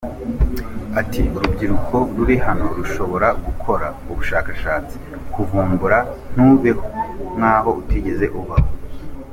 Ati “Urubyiruko ruri hano rushobora gukora ubushakashatsi, kuvumbura, ntubeho nk’aho utigeze ubaho.